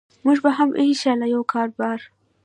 موږ به هم إن شاء الله یو کاربار